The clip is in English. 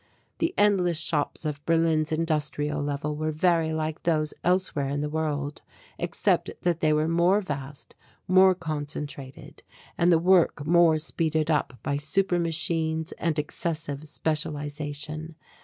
The endless shops of Berlin's industrial level were very like those elsewhere in the world, except that they were more vast, more concentrated, and the work more speeded up by super machines and excessive specialization.